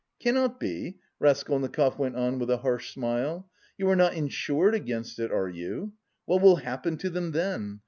"Cannot be?" Raskolnikov went on with a harsh smile. "You are not insured against it, are you? What will happen to them then?